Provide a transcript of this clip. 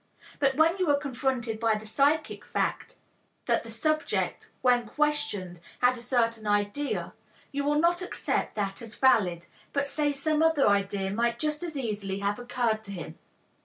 But when you are confronted by the psychic fact that the subject, when questioned, had a certain idea, you will not accept that as valid, but say some other idea might just as easily have occurred to him!